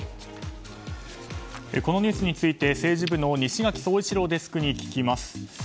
このニュースについて政治部の西垣壮一郎デスクに詳しく聞きます。